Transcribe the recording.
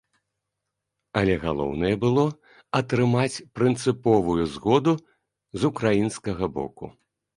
Але галоўнае было атрымаць прынцыповую згоду з украінскага боку.